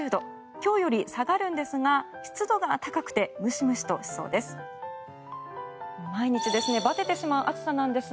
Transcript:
今日より下がるんですが湿度が高くてムシムシとしそうです。